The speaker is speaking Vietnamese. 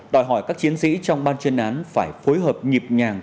đòi hỏi các chiến sĩ trong ban chuyên án phải phối hợp nhịp nhàng